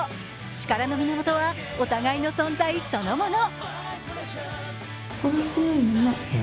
力の源は、お互いの存在そのもの。